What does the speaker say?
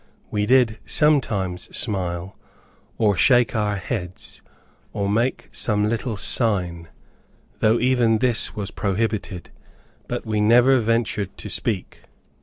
We did sometimes smile, or shake our heads, or make some little sign, though even this was prohibited, but we never ventured to speak.